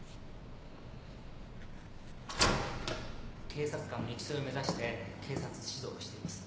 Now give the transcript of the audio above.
警察官の育成を目指して警察指導をしています。